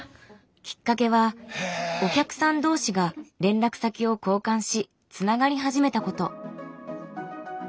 きっかけはお客さん同士が連絡先を交換しつながり始めたこと。